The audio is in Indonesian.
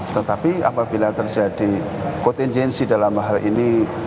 tetapi apabila terjadi kodenti dalam hal ini